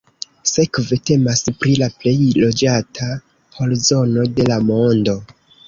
Sekve temas pri la plej loĝata horzono de la mondo.